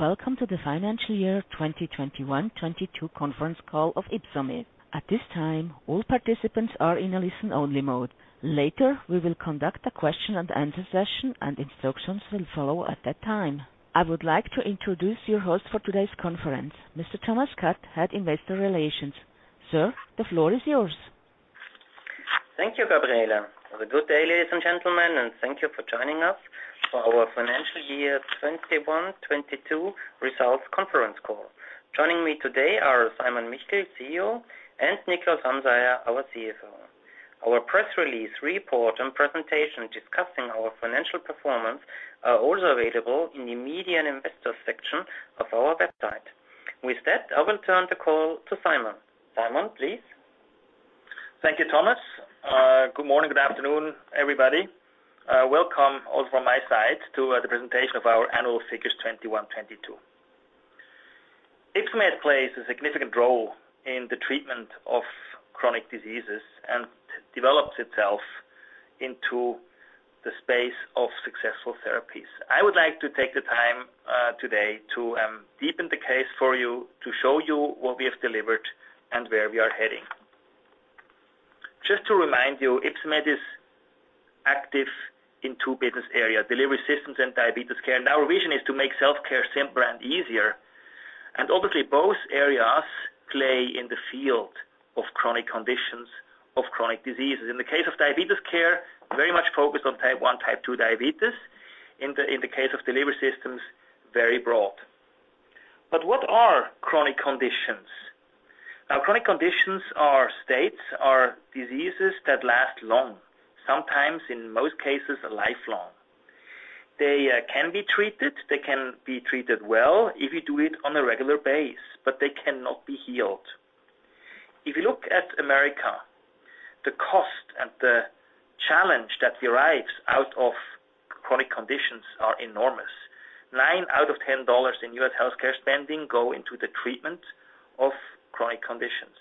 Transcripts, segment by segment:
Welcome to the financial year 2021-2022 conference call of Ypsomed. At this time, all participants are in a listen-only mode. Later, we will conduct a question and answer session and instructions will follow at that time. I would like to introduce your host for today's conference, Mr. Thomas Kutt, Head Investor Relations. Sir, the floor is yours. Thank you, Gabriela. Have a good day, ladies and gentlemen, and thank you for joining us for our financial year 2021, 2022 results conference call. Joining me today are Simon Michel, CEO, and Niklaus Ramseier, our CFO. Our press release report and presentation discussing our financial performance are also available in the Media & Investor section of our website. With that, I will turn the call to Simon. Simon, please. Thank you, Thomas. Good morning, good afternoon, everybody. Welcome also from my side to the presentation of our annual figures 2021, 2022. Ypsomed plays a significant role in the treatment of chronic diseases and develops itself into the space of successful therapies. I would like to take the time today to deepen the case for you to show you what we have delivered and where we are heading. Just to remind you, Ypsomed is active in two business areas, delivery systems and diabetes care. Our vision is to make self-care simpler and easier. Obviously, both areas play in the field of chronic conditions, of chronic diseases. In the case of diabetes care, very much focused on type one, type two diabetes. In the case of delivery systems, very broad. What are chronic conditions? Chronic conditions are states or diseases that last long, sometimes in most cases, lifelong. They can be treated, they can be treated well if you do it on a regular basis, but they cannot be healed. If you look at America, the cost and the challenge that derives out of chronic conditions are enormous. nine out of 10 dollars in U.S. healthcare spending go into the treatment of chronic conditions.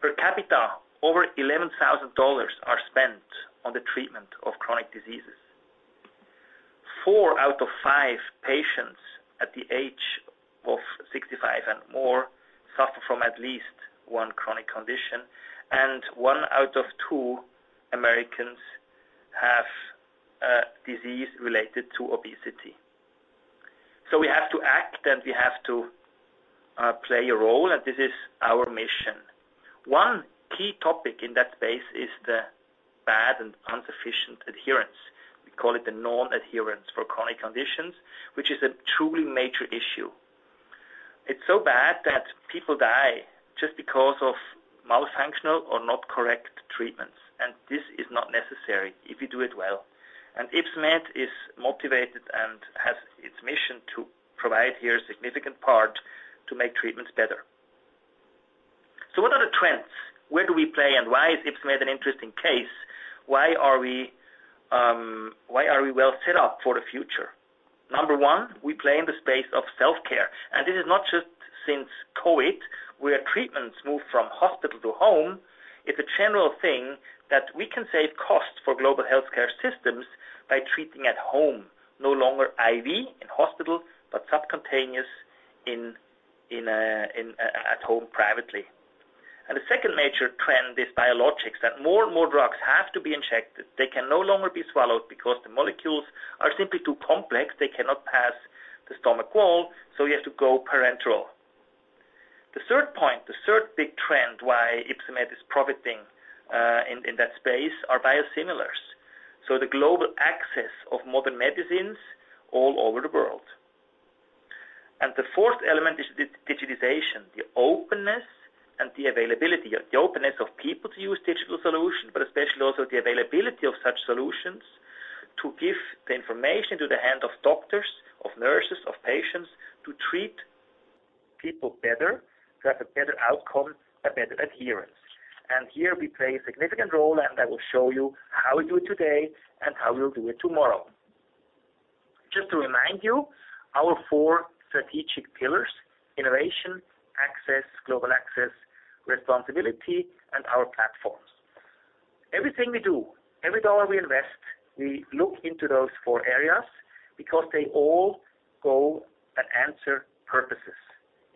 Per capita, over $11,000 are spent on the treatment of chronic diseases. four out of five patients at the age of 65 and more suffer from at least one chronic condition, and one out of two Americans have a disease related to obesity. We have to act, and we have to play a role, and this is our mission. One key topic in that space is the bad and insufficient adherence. We call it the non-adherence for chronic conditions, which is a truly major issue. It's so bad that people die just because of malfunctional or not correct treatments, and this is not necessary if you do it well. Ypsomed is motivated and has its mission to provide here a significant part to make treatments better. What are the trends? Where do we play and why is Ypsomed an interesting case? Why are we well set up for the future? Number one, we play in the space of self-care. This is not just since COVID, where treatments move from hospital to home. It's a general thing that we can save costs for global healthcare systems by treating at home. No longer IV in hospital, but subcutaneous at home privately. The second major trend is biologics, that more and more drugs have to be injected. They can no longer be swallowed because the molecules are simply too complex. They cannot pass the stomach wall, so we have to go parenteral. The third point, the third big trend why Ypsomed is profiting, in that space are biosimilars. The global access of modern medicines all over the world. The fourth element is the digitalization, the openness and the availability. The openness of people to use digital solution, but especially also the availability of such solutions to give the information to the hand of doctors, of nurses, of patients to treat people better, to have a better outcome, a better adherence. Here we play a significant role, and I will show you how we do it today and how we'll do it tomorrow. Just to remind you, our four strategic pillars: innovation, access, global access, responsibility, and our platforms. Everything we do, every dollar we invest, we look into those four areas because they all go and answer purposes.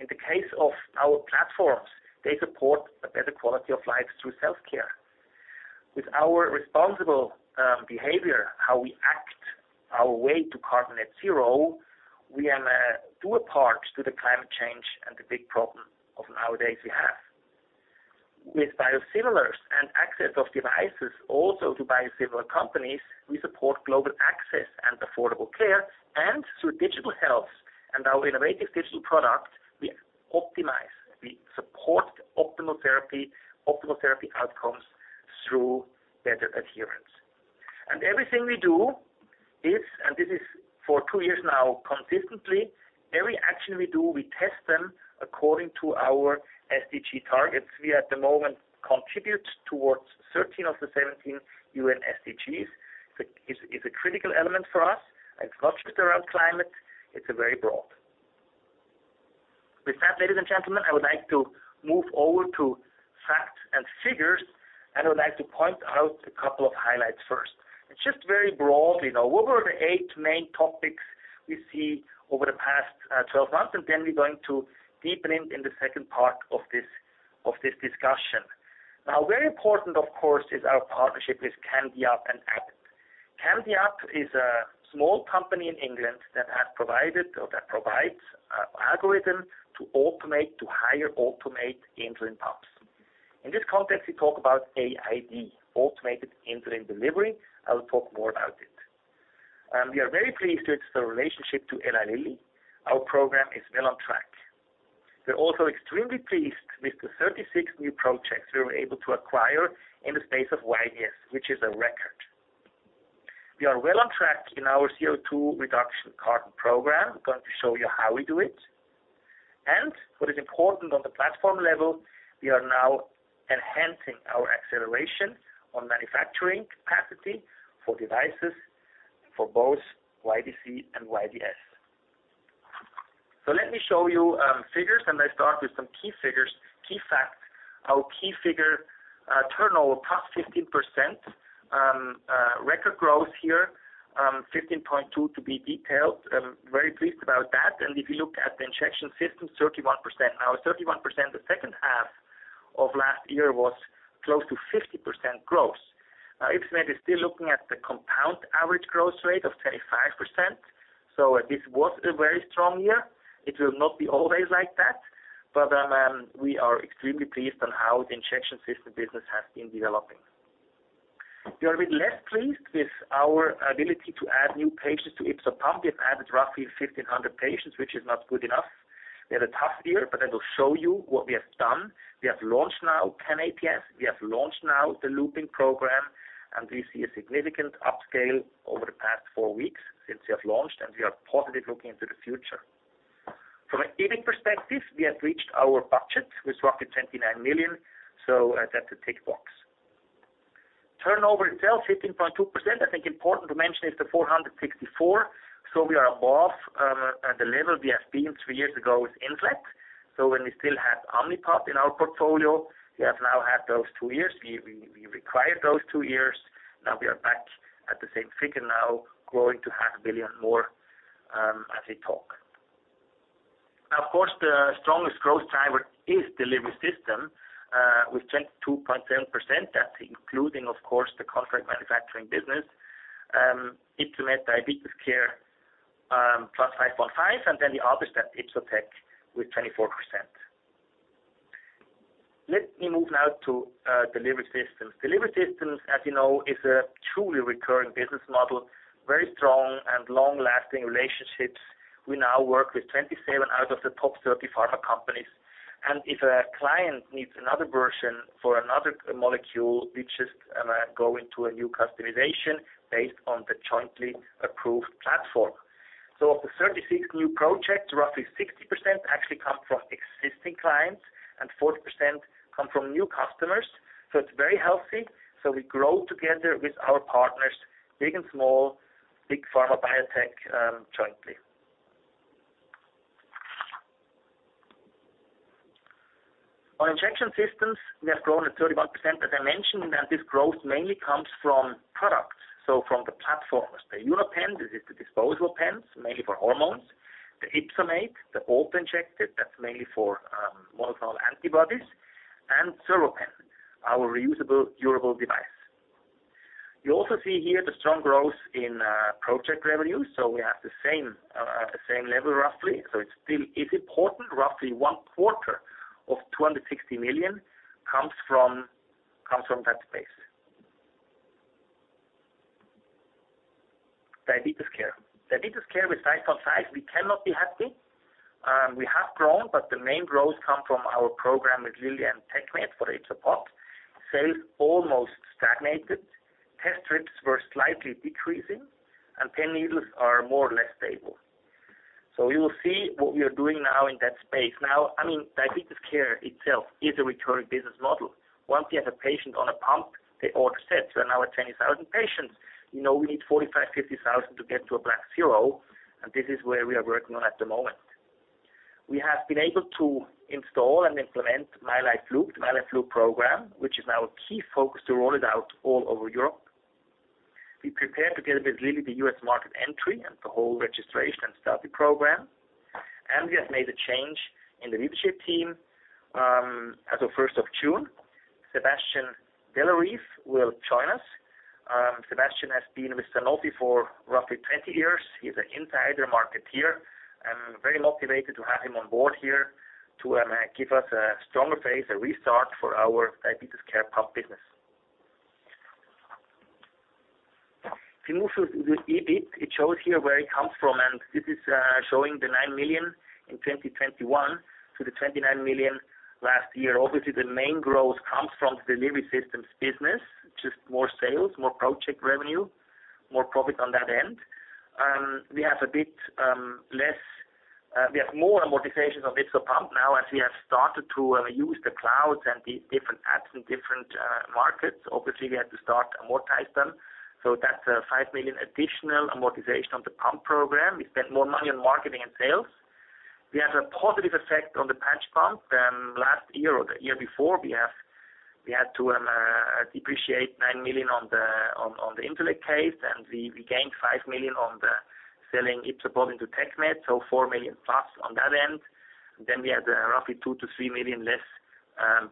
In the case of our platforms, they support a better quality of life through self-care. With our responsible behavior, how we act our way to carbon at zero, we do our part to the climate change and the big problem of nowadays we have. With biosimilars and access of devices also to biosimilar companies, we support global access and affordable care. Through digital health and our innovative digital product, we optimize, we support optimal therapy, optimal therapy outcomes through better adherence. Everything we do is, and this is for two years now consistently, every action we do, we test them according to our SDG targets. We at the moment contribute towards 13 of the 17 UN SDGs. It's a critical element for us. It's not just around climate, it's a very broad. With that, ladies and gentlemen, I would like to move over to facts and figures, and I would like to point out a couple of highlights first. It's just very broadly now. What were the eight main topics we see over the past 12 months? Then we're going to deepen in the second part of this discussion. Now very important, of course, is our partnership with CamDiab and Abbott. CamDiab is a small company in England that has provided or that provides algorithm to automate insulin pumps. In this context, we talk about AID, automated insulin delivery. I will talk more about it. We are very pleased with the relationship to Eli Lilly. Our program is well on track. We're also extremely pleased with the 36 new projects we were able to acquire in the space of YDS, which is a record. We are well on track in our CO₂ reduction carbon program. I'm going to show you how we do it. What is important on the platform level, we are now enhancing our acceleration on manufacturing capacity for devices for both YDC and YDS. Let me show you figures, and let's start with some key figures, key facts. Our key figure, turnover, plus 15%. Record growth here, 15.2 to be detailed. Very pleased about that. If you look at the injection system, 31%. Now, 31%, the second half of last year was close to 50% growth. Ypsomed is still looking at the compound average growth rate of 25%, so this was a very strong year. It will not be always like that, but we are extremely pleased on how the injection system business has been developing. We are a bit less pleased with our ability to add new patients to YpsoPump. We have added roughly 1,500 patients, which is not good enough. We had a tough year, but I will show you what we have done. We have launched now 10 ATTD. We have launched now the looping program, and we see a significant upscale over the past four weeks since we have launched, and we are positive looking into the future. From an EBIT perspective, we have reached our budget with roughly 29 million, so that's a tick box. Turnover itself, 15.2%. I think important to mention is the 464. We are above the level we have been two years ago with Insulet. When we still had Omnipod in our portfolio, we have now had those two years. We required those two years. Now we are back at the same figure now, growing to half a billion more, as we talk. Of course, the strongest growth driver is delivery systems with 22.7%. That's including, of course, the contract manufacturing business. Ypsomed Diabetes Care, plus 5.5%, and then the other segment, Ypsomed Tech, with 24%. Let me move now to delivery systems. Delivery systems, as you know, is a truly recurring business model, very strong and long-lasting relationships. We now work with 27 out of the top 30 pharma companies. If a client needs another version for another molecule, we just go into a new customization based on the jointly approved platform. Of the 36 new projects, roughly 60% actually come from existing clients and 40% come from new customers. It's very healthy. We grow together with our partners, big and small, big pharma, biotech, jointly. On injection systems, we have grown at 31%. As I mentioned, this growth mainly comes from products, so from the platforms. The UnoPen, this is the disposable pens, mainly for hormones. The YpsoMate autoinjector, that's mainly for monoclonal antibodies, and ServoPen, our reusable, durable device. You also see here the strong growth in project revenue. We have the same level, roughly. It's important. Roughly one quarter of 260 million comes from that space. Diabetes care with 5.5%, we cannot be happy. We have grown, but the main growth come from our program with Lilly and Lilly for YpsoPump. Sales almost stagnated. Test strips were slightly decreasing, and pen needles are more or less stable. You will see what we are doing now in that space. Now, I mean, diabetes care itself is a recurring business model. Once you have a patient on a pump, they order sets. We're now at 20,000 patients. You know, we need 45,000-50,000 to get to a black zero, and this is where we are working on at the moment. We have been able to install and implement mylife Loop, the mylife Loop program, which is now a key focus to roll it out all over Europe. We prepare together with Lilly the US market entry and the whole registration and study program, and we have made a change in the leadership team. As of 1st of June, Sébastien Delarive will join us. Sébastien has been with Sanofi for roughly 20 years. He's an insider marketer. I'm very motivated to have him on board here to give us a stronger phase, a restart for our diabetes care pump business. If you move to the EBIT, it shows here where it comes from, and this is showing the 9 million in 2021 to the 29 million last year. Obviously, the main growth comes from delivery systems business, just more sales, more project revenue, more profit on that end. We have a bit less, we have more amortizations on YpsoPump. Now, as we have started to use the clouds and the different apps in different markets, obviously we have to start amortize them. That's 5 million additional amortization on the pump program. We spent more money on marketing and sales. We have a positive effect on the patch pump than last year or the year before. We had to depreciate 9 million on the Insulet case, and we gained 5 million on the selling Ypsomed into Lilly. 4 million plus on that end. We had roughly 2 million-3 million less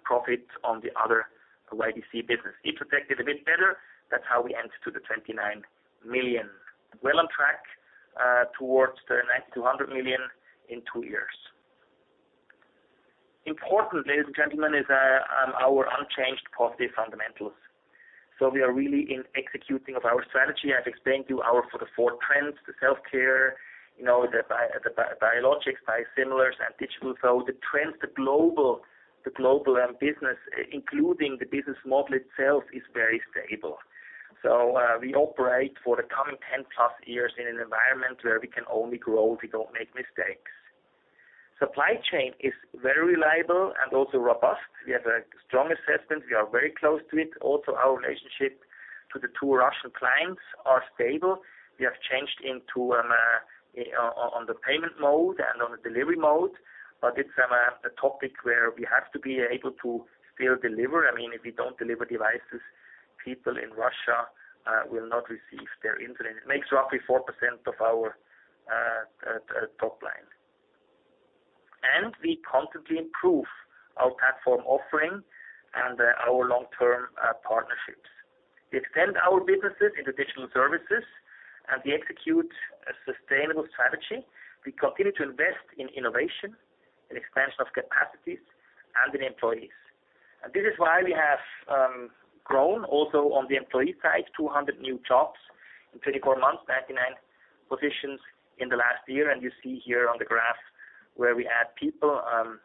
profit on the other YDC business. It protected a bit better. That's how we entered to the 29 million. Well on track towards the next 200 million in two years. Important, ladies and gentlemen, is our unchanged positive fundamentals. We are really in executing of our strategy. I've explained to you our for the four trends, the self-care, you know, the biologics, biosimilars, and digital. The trends, the global business, including the business model itself, is very stable. We operate for the coming 10+ years in an environment where we can only grow if we don't make mistakes. Supply chain is very reliable and also robust. We have a strong assessment. We are very close to it. Also, our relationship to the two Russian clients are stable. We have changed on the payment mode and on the delivery mode, but it's a topic where we have to be able to still deliver. I mean, if we don't deliver devices, people in Russia will not receive their insulin. It makes roughly 4% of our top line. And we constantly improve our platform offering and our long-term partnerships. We extend our businesses into digital services, and we execute a sustainable strategy. We continue to invest in innovation and expansion of capacities and in employees. This is why we have grown also on the employee side, 200 new jobs in 24 months, 99 positions in the last year. You see here on the graph where we add people.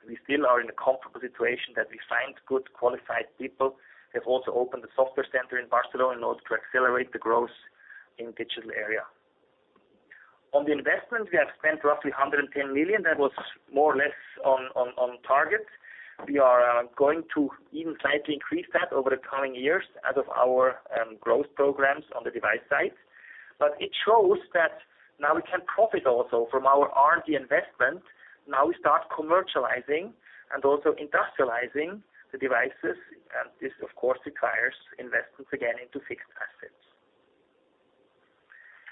We still are in a comfortable situation that we find good qualified people. Have also opened a software center in Barcelona in order to accelerate the growth in digital area. On the investment, we have spent roughly 110 million. That was more or less on target. We are going to even slightly increase that over the coming years as of our growth programs on the device side. It shows that now we can profit also from our R&D investment. Now we start commercializing and also industrializing the devices, and this, of course, requires investments again into fixed assets.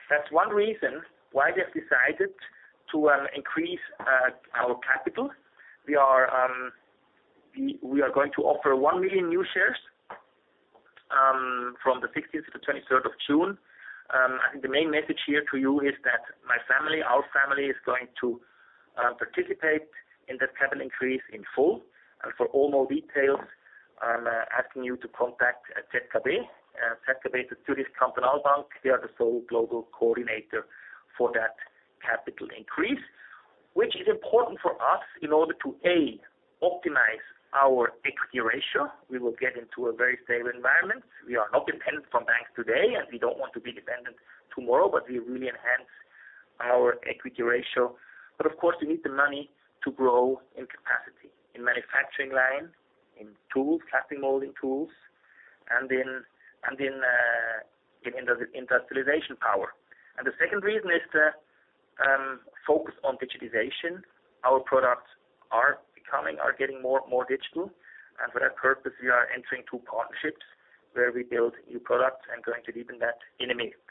That's one reason why we have decided to increase our capital. We are going to offer 1 million new shares from the 16th to the 23rd of June. The main message here to you is that my family, our family, is going to participate in that capital increase in full. For all more details, I'm asking you to contact ZKB. ZKB is the Zürcher Kantonalbank. They are the sole global coordinator for that capital increase, which is important for us in order to A, optimize our equity ratio. We will get into a very stable environment. We are not dependent from banks today, and we don't want to be dependent tomorrow, but we really enhance our equity ratio. Of course, we need the money to grow in capacity, in manufacturing line, in tools, casting molding tools, and in industrialization power. The second reason is to focus on digitalization. Our products are becoming or getting more digital. For that purpose, we are entering two partnerships where we build new products. I'm going to deepen that in a minute.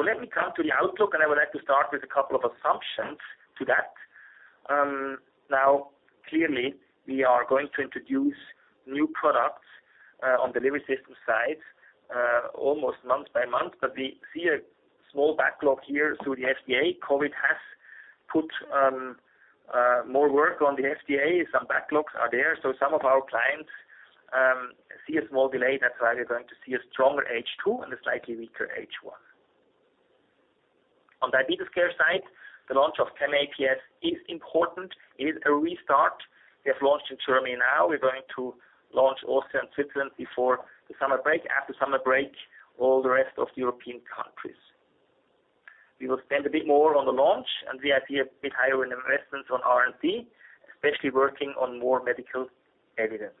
Let me come to the outlook, and I would like to start with a couple of assumptions to that. Now, clearly, we are going to introduce new products on delivery system side almost month by month. But we see a small backlog here through the FDA. COVID has put more work on the FDA. Some backlogs are there. Some of our clients see a small delay. That's why we're going to see a stronger H2 and a slightly weaker H1. On diabetes care side, the launch of CamAPS is important. It is a restart. We have launched in Germany now. We're going to launch Austria and Switzerland before the summer break. After summer break, all the rest of the European countries. We will spend a bit more on the launch, and we have here a bit higher investments on R&D, especially working on more medical evidence.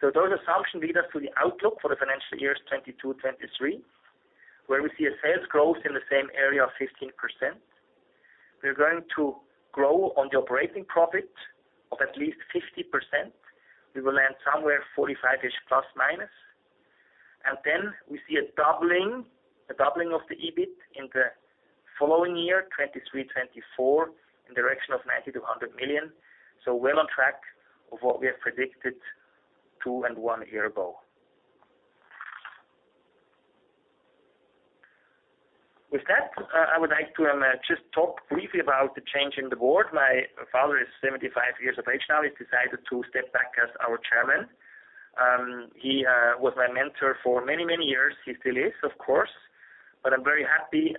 Those assumptions lead us to the outlook for the financial years 2022/2023, where we see a sales growth in the same area of 15%. We're going to grow on the operating profit of at least 50%. We will land somewhere 45-ish ±. Then we see a doubling of the EBIT in the following year, 2023/2024, in direction of 90 million-100 million. Well on track of what we have predicted two and one year ago. With that, I would like to just talk briefly about the change in the board. My father is 75 years of age now. He's decided to step back as our chairman. He was my mentor for many, many years. He still is, of course. I'm very happy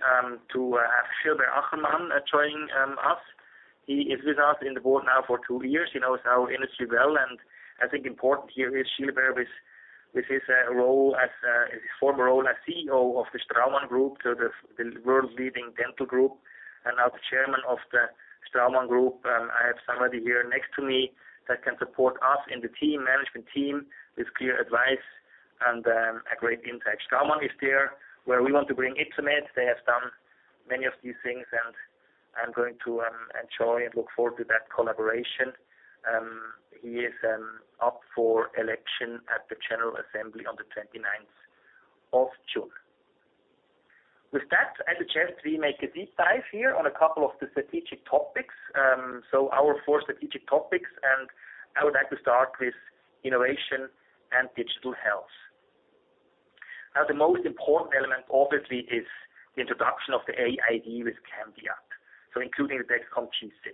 to have Gilbert Achermann joining us. He is with us in the board now for two years. He knows our industry well, and I think important here is Gilbert with his former role as CEO of the Straumann Group, the world's leading dental group, and now the chairman of the Straumann Group. I have somebody here next to me that can support us in the team, management team with clear advice and a great insight. Straumann is there where we want to bring Ypsomed. They have done many of these things, and I'm going to enjoy and look forward to that collaboration. He is up for election at the general assembly on the 29th of June. With that, I have the chance to make a deep dive here on a couple of the strategic topics, so our four strategic topics, and I would like to start with innovation and digital health. The most important element obviously is the introduction of the AID with CamDiab, so including the Dexcom G6.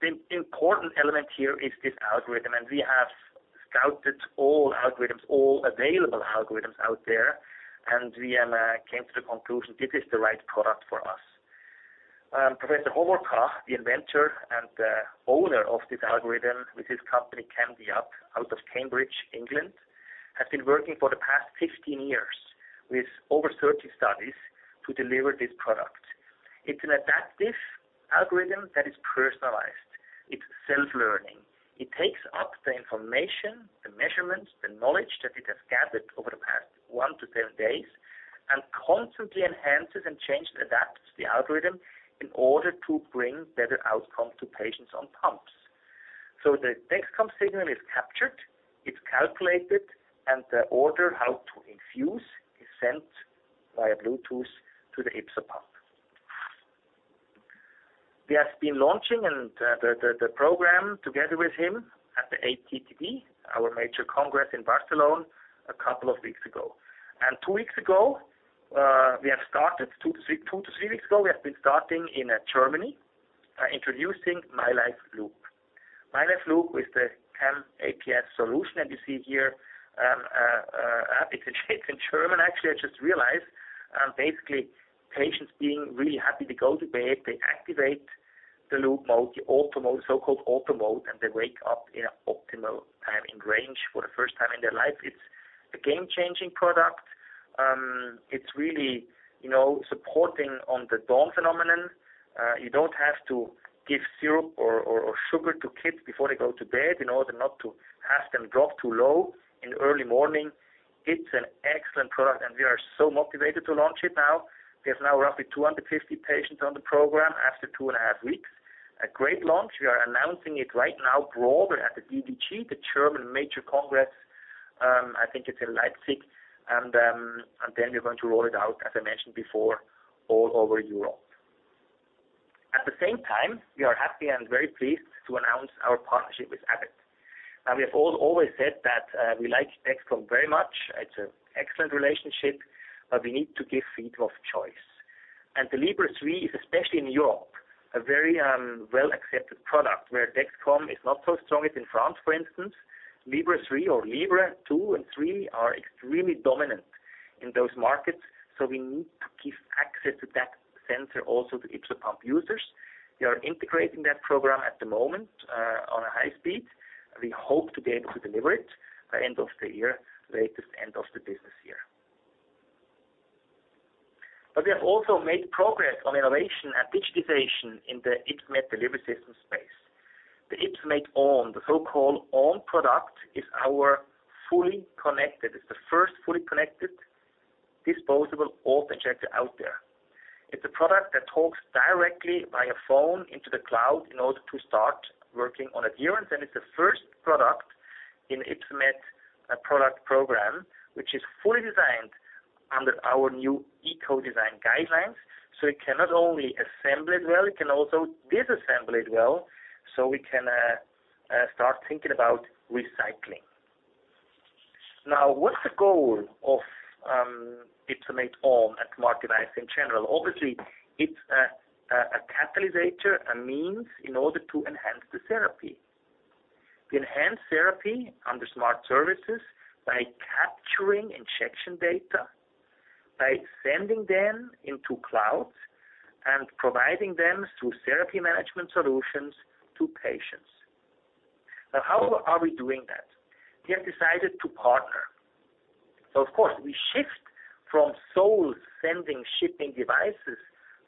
The important element here is this algorithm, and we have scouted all algorithms, all available algorithms out there, and we came to the conclusion this is the right product for us. Professor Roman Hovorka, the inventor and owner of this algorithm with his company CamDiab out of Cambridge, England, has been working for the past 15 years with over 30 studies to deliver this product. It's an adaptive algorithm that is personalized. It's self-learning. It takes up the information, the measurements, the knowledge that it has gathered over the past one to 10 days and constantly enhances and changes, adapts the algorithm in order to bring better outcome to patients on pumps. The Dexcom signal is captured, it's calculated, and the order how to infuse is sent via Bluetooth to the YpsoPump. We have been launching the program together with him at the ATTD, our major congress in Barcelona a couple of weeks ago. Two to three weeks ago, we have been starting in Germany introducing mylife Loop. mylife Loop is the CamAPS solution, and you see here, it's in German, actually, I just realized. Basically, patients being really happy to go to bed, they activate the loop mode, the auto mode, so-called auto mode, and they wake up in an optimal time and range for the first time in their life. It's a game-changing product. It's really, you know, supporting on the dawn phenomenon. You don't have to give syrup or sugar to kids before they go to bed in order not to have them drop too low in the early morning. It's an excellent product. We are so motivated to launch it now. We have now roughly 250 patients on the program after two and a half weeks. A great launch. We are announcing it right now broader at the DDG, the German major congress, I think it's in Leipzig, and then we're going to roll it out, as I mentioned before, all over Europe. At the same time, we are happy and very pleased to announce our partnership with Abbott. We have always said that we like Dexcom very much. It's an excellent relationship, but we need to give freedom of choice. The Libre 3 is especially in Europe, a very well-accepted product where Dexcom is not so strong as in France, for instance. Libre 3 or Libre 2 and 3 are extremely dominant in those markets, so we need to give access to that sensor also to YpsoPump users. We are integrating that program at the moment, on a high speed. We hope to be able to deliver it by end of the year, latest end of the business year. We have also made progress on innovation and digitization in the Ypsomed delivery system space. The YpsoMate On, the so-called On product, is our fully connected. It's the first fully connected disposable auto-injector out there. It's a product that talks directly via phone into the cloud in order to start working on adherence, and it's the first product in Ypsomed, a product program which is fully designed under our new Ecodesign Guideline. It can not only assemble it well, it can also disassemble it well, so we can start thinking about recycling. Now, what's the goal of YpsoMate On and marketing in general. Obviously, it's a catalyst, a means in order to enhance the therapy. To enhance therapy under smart services by capturing injection data, by sending them into clouds and providing them through therapy management solutions to patients. Now, how are we doing that? We have decided to partner. Of course, we shift from solely sending shipping devices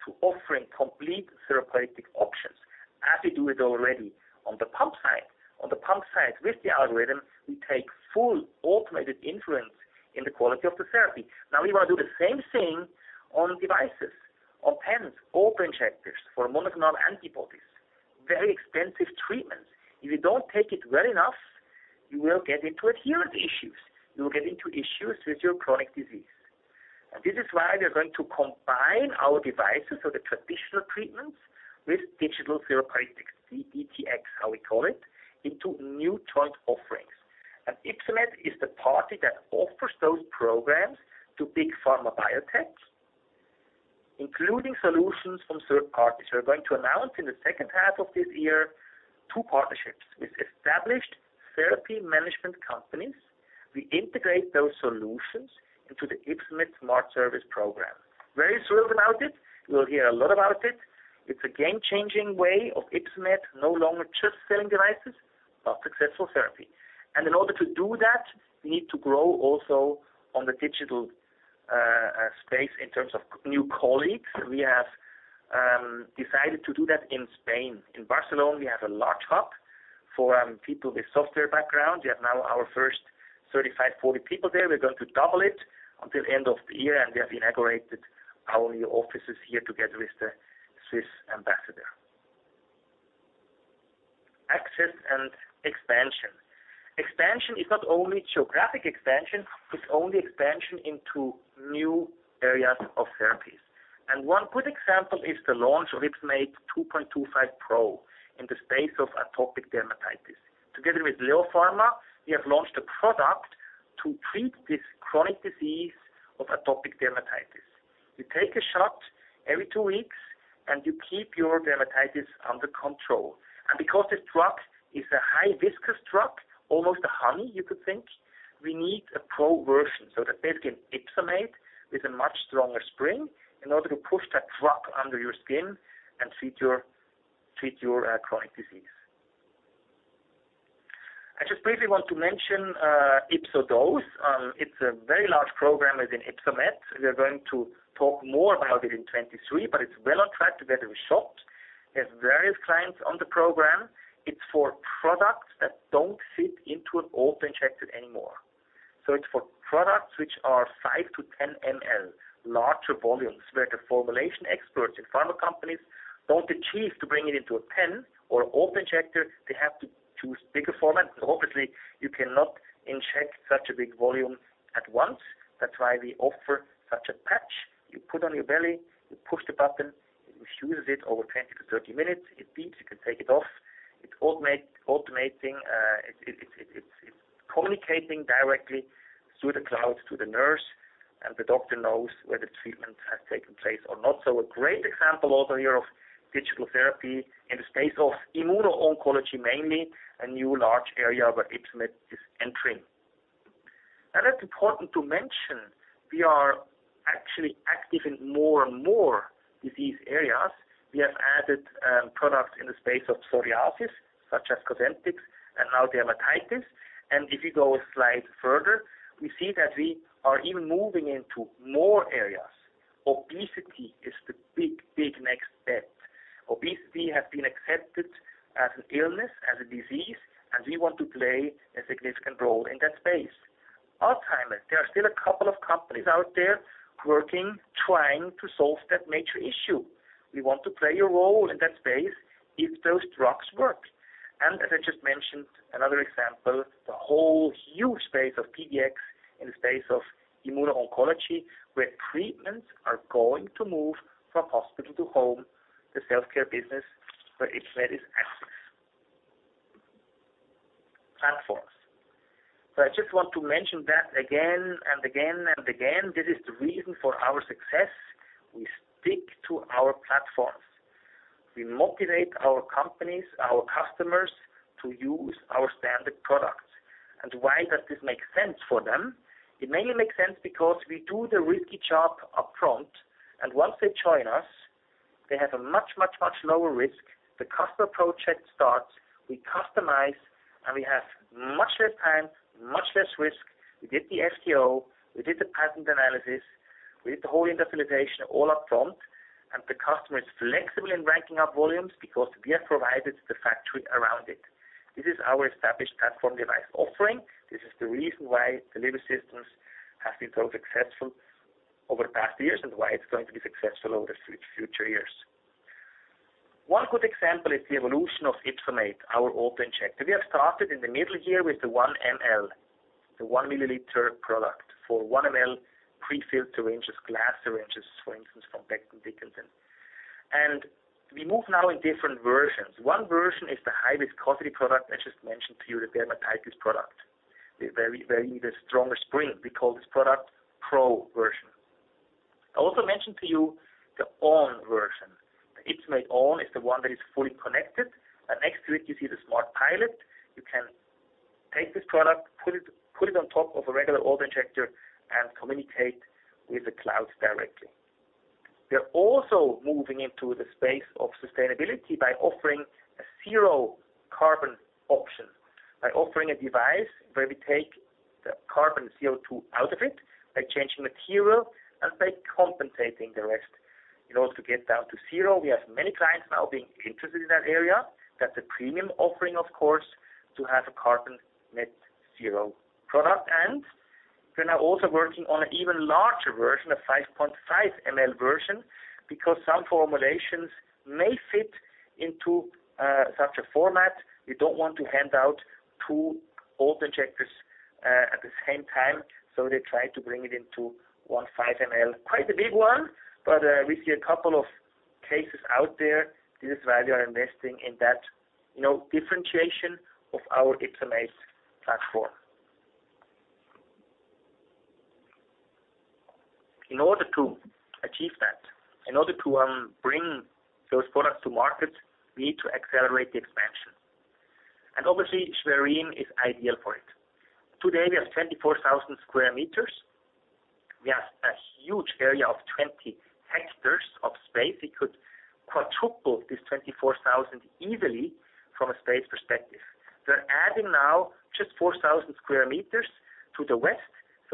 to offering complete therapeutic options, as we do it already on the pump side. On the pump side with the algorithm, we take full automated influence in the quality of the therapy. Now we want to do the same thing on devices, on pens or injectors for monoclonal antibodies. Very expensive treatment. If you don't take it well enough, you will get into adherence issues. You will get into issues with your chronic disease. This is why we are going to combine our devices for the traditional treatments with digital therapeutics, DTx, how we call it, into new joint offerings. Ypsomed is the party that offers those programs to big pharma biotechs, including solutions from third parties. We're going to announce in the second half of this year two partnerships with established therapy management companies. We integrate those solutions into the Ypsomed Smart Services program. Very thrilled about it. We'll hear a lot about it. It's a game-changing way of Ypsomed no longer just selling devices, but successful therapy. In order to do that, we need to grow also on the digital space in terms of new colleagues. We have decided to do that in Spain. In Barcelona, we have a large hub for people with software background. We have now our first 35-40 people there. We're going to double it until end of the year, and we have inaugurated our new offices here together with the Swiss ambassador. Access and expansion. Expansion is not only geographic expansion, it's only expansion into new areas of therapies. One good example is the launch of YpsoMate 2.25 Pro in the space of atopic dermatitis. Together with LEO Pharma, we have launched a product to treat this chronic disease of atopic dermatitis. You take a shot every two weeks and you keep your dermatitis under control. Because this drug is a high viscous drug, almost a honey, you could think, we need a pro version, so the patient YpsoMate is a much stronger spring in order to push that drug under your skin and treat your chronic disease. I just briefly want to mention YpsoDose. It's a very large program within Ypsomed. We are going to talk more about it in 2023, but it's well on track together with Schott. We have various clients on the program. It's for products that don't fit into an open injector anymore. It's for products which are 5-10 mL, larger volumes, where the formulation experts in pharma companies don't achieve to bring it into a pen or open injector. They have to choose bigger formats. Obviously, you cannot inject such a big volume at once. That's why we offer such a patch. You put on your belly, you push the button, it infuses it over 20-30 minutes. It beeps, you can take it off. It's automating, it's communicating directly through the cloud to the nurse, and the doctor knows whether the treatment has taken place or not. A great example also here of digital therapy in the space of immuno-oncology, mainly a new large area where Ypsomed is entering. And it's important to mention, we are actually active in more and more disease areas. We have added products in the space of psoriasis, such as Cosentyx, and now dermatitis. If you go a slide further, we see that we are even moving into more areas. Obesity is the big, big next step. Obesity has been accepted as an illness, as a disease, and we want to play a significant role in that space. Alzheimer's, there are still a couple of companies out there working, trying to solve that major issue. We want to play a role in that space if those drugs work. As I just mentioned, another example, the whole huge space of PDX in the space of immuno-oncology, where treatments are going to move from hospital to home, the healthcare business where Ypsomed is active. Platforms. I just want to mention that again and again and again, this is the reason for our success. We stick to our platforms. We motivate our companies, our customers to use our standard products. Why does this make sense for them? It mainly makes sense because we do the risky job up front, and once they join us, they have a much, much, much lower risk. The custom project starts, we customize, and we have much less time, much less risk. We did the FTO, we did the patent analysis, we did the whole industrialization all up front. The customer is flexible in ranking up volumes because we have provided the factory around it. This is our established platform device offering. This is the reason why delivery systems have been so successful over the past years and why it's going to be successful over future years. One good example is the evolution of YpsoMate, our autoinjector. We have started in the middle here with the 1 mL, the 1 milliliter product for 1 mL prefilled syringes, glass syringes, for instance, from Becton Dickinson. We move now in different versions. One version is the high viscosity product. I just mentioned to you, the dermatitis product. We very need a stronger spring. We call this product Pro version. I also mentioned to you the On version. The YpsoMate On is the one that is fully connected, and next to it you see the SmartPilot. You can take this product, put it on top of a regular autoinjector and communicate with the cloud directly. We're also moving into the space of sustainability by offering a zero carbon option, by offering a device where we take the carbon CO₂ out of it by changing material and by compensating the rest in order to get down to zero. We have many clients now being interested in that area. That's a premium offering, of course, to have a carbon net zero product. And we're now also working on an even larger version, a 5.5 ml version, because some formulations may fit into such a format. We don't want to hand out two open injectors at the same time, so they try to bring it into one 5 ml. Quite a big one, but we see a couple of cases out there. This is why we are investing in that, you know, differentiation of our YpsoMate platform. In order to achieve that, in order to bring those products to market, we need to accelerate the expansion. Obviously Schwerin is ideal for it. Today we have 24,000 square meters. We have a huge area of 20 hectares of space. We could quadruple this 24,000 easily from a space perspective. We're adding now just 4,000 square meters to the west.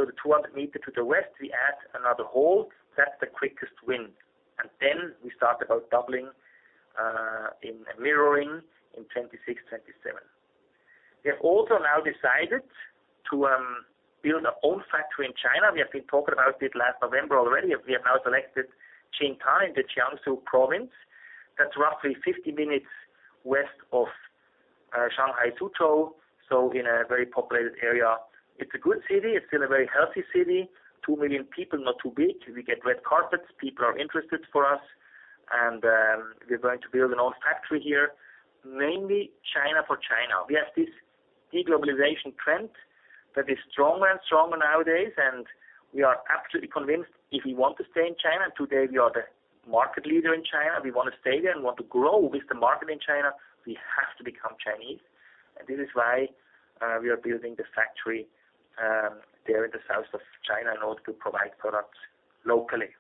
The 200-meter to the west, we add another hall. That's the quickest win. We start about doubling in mirroring in 2026, 2027. We have also now decided to build our own factory in China. We have been talking about it last November already. We have now selected Changzhou, Jiangsu province. That's roughly 50 minutes west of Shanghai, Suzhou, so in a very populated area. It's a good city. It's still a very healthy city. 2 million people, not too big. We get red carpets. People are interested in us. We're going to build our own factory here, mainly China for China. We have this de-globalization trend that is stronger and stronger nowadays, and we are absolutely convinced if we want to stay in China, today, we are the market leader in China, we want to stay there and want to grow with the market in China, we have to become Chinese. This is why we are building the factory there in the south of China in order to provide products locally.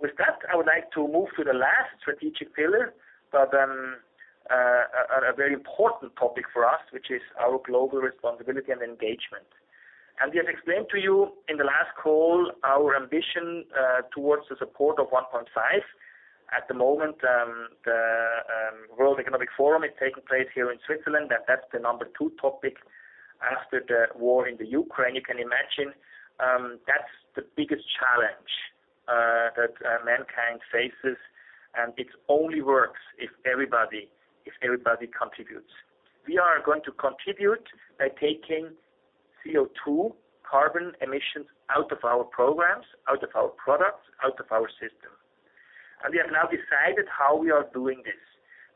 With that, I would like to move to the last strategic pillar, but a very important topic for us, which is our global responsibility and engagement. We have explained to you in the last call our ambition towards the support of 1.5. At the moment, the World Economic Forum is taking place here in Switzerland, and that's the number two topic after the war in the Ukraine. You can imagine, that's the biggest challenge that mankind faces, and it only works if everybody contributes. We are going to contribute by taking CO₂ carbon emissions out of our programs, out of our products, out of our system. We have now decided how we are doing this.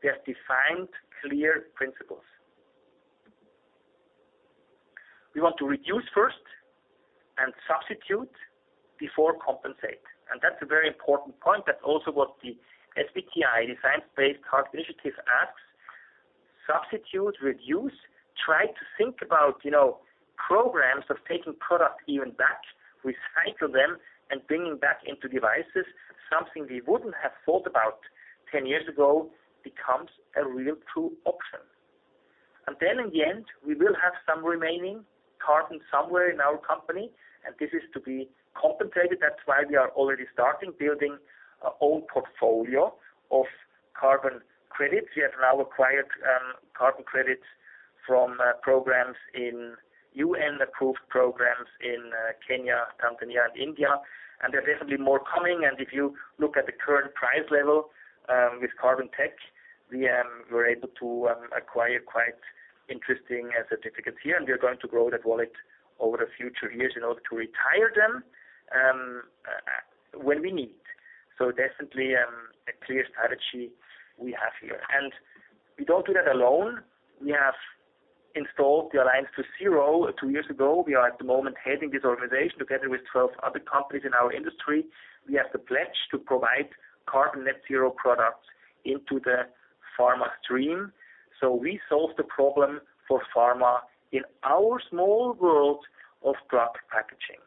We have defined clear principles. We want to reduce first and substitute before compensate. That's a very important point. That's also what the SBTI, Science Based Targets initiative asks. Substitute, reduce, try to think about, you know, programs of taking product even back, recycle them, and bringing back into devices. Something we wouldn't have thought about ten years ago becomes a real true option. In the end, we will have some remaining carbon somewhere in our company, and this is to be compensated. That's why we are already starting building our own portfolio of carbon credits. We have now acquired carbon credits from UN-approved programs in Kenya, Tanzania, and India. There's definitely more coming. If you look at the current price level with carbon tech, we were able to acquire quite interesting certificates here, and we are going to grow that wallet over the future years in order to retire them when we need. Definitely a clear strategy we have here. We don't do that alone. We have installed the Alliance to Zero two years ago. We are at the moment heading this organization together with 12 other companies in our industry. We have the pledge to provide carbon net zero products into the pharma stream. We solve the problem for pharma in our small world of drug packaging.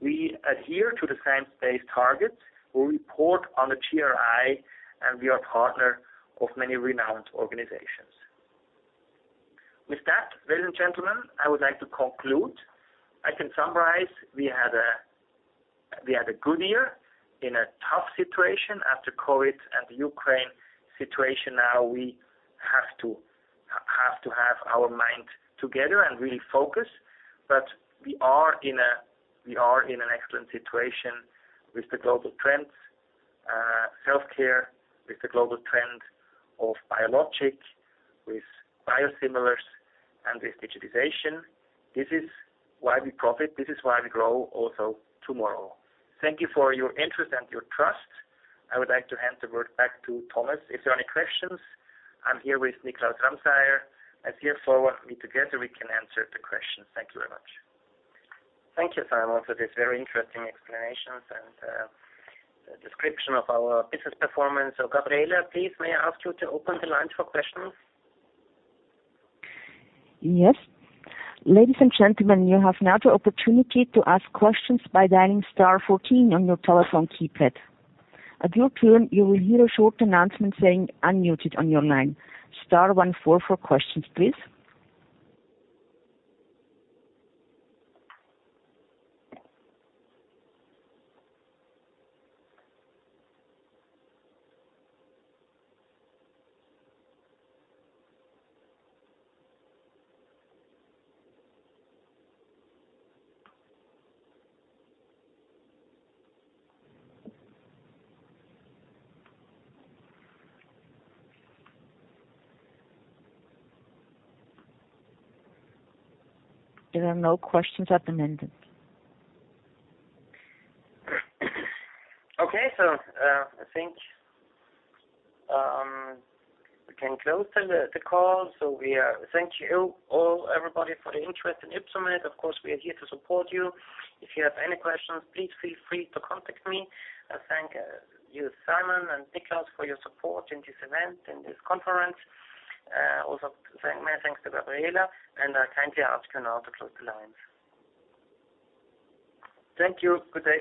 We adhere to the science-based targets. We report on the CDP, and we are partner of many renowned organizations. With that, ladies and gentlemen, I would like to conclude. I can summarize, we had a good year in a tough situation after COVID and the Ukraine situation. Now, we have to have our mind together and really focus. We are in an excellent situation with the global trends, healthcare, with the global trend of biologics, with biosimilars, and with digitization. This is why we profit, this is why we grow also tomorrow. Thank you for your interest and your trust. I would like to hand the word back to Thomas. If there are any questions, I'm here with Niklaus Ramseier. If you have any forward-looking questions, we can answer them together. Thank you very much. Thank you, Simon, for this very interesting explanations and, description of our business performance. Gabriela, please, may I ask you to open the lines for questions? Yes. Ladies and gentlemen, you have now the opportunity to ask questions by dialing star 14 on your telephone keypad. At your turn, you will hear a short announcement saying, "Unmuted on your line." Star one four for questions, please. There are no questions at the moment. Okay. I think we can close the call. We thank you all, everybody, for the interest in Ypsomed. Of course, we are here to support you. If you have any questions, please feel free to contact me. I thank you, Simon and Niklaus, for your support in this event, in this conference. Also my thanks to Gabriela, and I kindly ask you now to close the lines. Thank you. Good day.